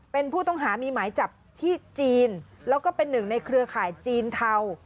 เป็นผู้ต้องหามีหมายจับที่จีนแล้วก็เป็นหนึ่งในเครือข่ายจีนเทา